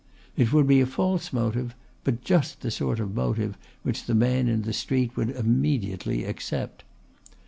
It would be a false motive, but just the sort of motive which the man in the street would immediately accept.